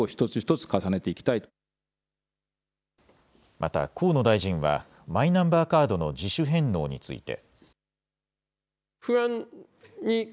また河野大臣はマイナンバーカードの自主返納について。